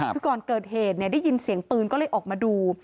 คือก่อนเกิดเหตุได้ยินเสียงปืนก็เลยออกมาดู